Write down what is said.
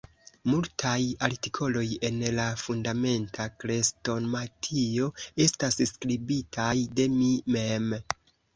Multaj artikoloj en la Fundamenta Krestomatio estas skribitaj de mi mem.